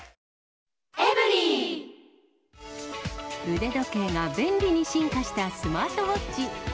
腕時計が便利に進化したスマートウォッチ。